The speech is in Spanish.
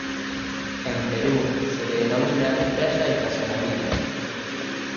En Perú se le denomina playa de estacionamiento.